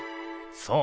そう。